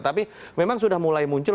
tapi memang sudah mulai muncul